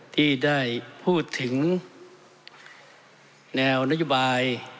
ที่ได้พูดถึงแนวนโยบาย